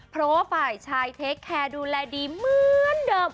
เพราะว่าฝ่ายชายเทคแคร์ดูแลดีเหมือนเดิม